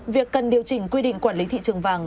việc cần điều chỉnh quy định quản lý thị trường vàng